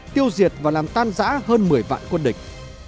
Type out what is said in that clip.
tiêu diệt và làm tan giã hơn một mươi vạn quân địch